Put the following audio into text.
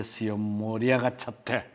盛り上がっちゃって。